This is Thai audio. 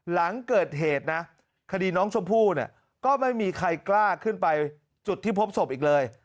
หลังเกิดเหตุนะคดีน้องชมพู่เนี่ยก็ไม่มีใครกล้าขึ้นไปจุดที่พบศพอีกเลย